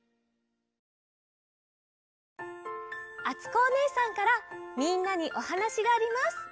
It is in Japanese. あつこおねえさんからみんなにおはなしがあります。